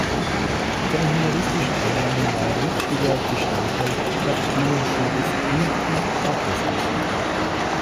Mit seinen humoristischen Einlagen war er wichtiger Bestandteil der Bühnenshow des Ellington-Orchesters.